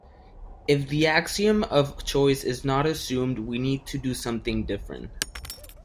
If the axiom of choice is not assumed we need to do something different.